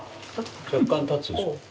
若干立つでしょ。